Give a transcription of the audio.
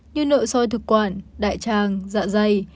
như nội soi thực quản đại trang dạ dày